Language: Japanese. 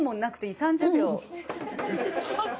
３０秒。